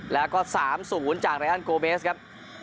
แล้วก็๓ศูนย์จากรายการโกเมสครับ